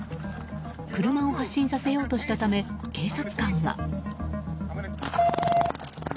車を発進させようとしたため警察官は。